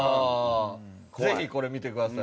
ぜひこれ見てください。